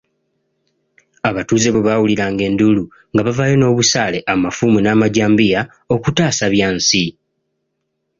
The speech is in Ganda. Abatuuze bwe bawuliranga enduulu, nga bavaayo n'obusaale, amafumu n'amajambiya okutaasa Byansi.